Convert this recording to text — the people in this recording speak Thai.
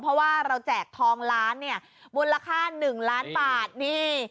เพราะว่าเราแจกทองล้านเนี่ยมูลค่า๑ล้านบาทนี่